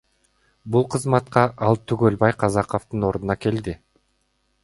Бул кызматка ал Түгөлбай Казаковдун ордуна келди.